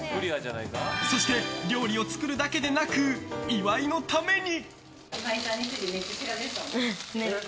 そして、料理を作るだけでなく岩井のために。